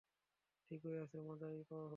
ঠিকই আছে, মজাই হবে।